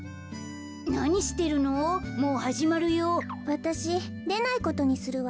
わたしでないことにするわ。